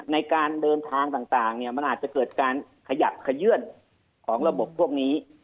ในการเดินทางต่างมันอาจจะเกิดการขยับขยื่นของระบบพวกนี้